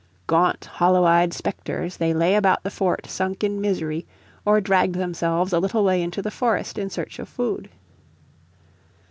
Gaunt, hollow eyed spectres they lay about the fort sunk in misery, or dragged themselves a little way into the forest in search of food.